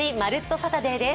サタデー」です。